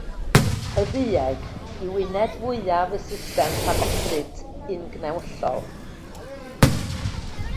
Y ddueg yw uned fwyaf y system ffagosyt ungnewyllol.